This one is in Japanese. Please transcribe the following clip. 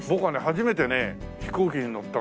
初めてね飛行機に乗ったのがね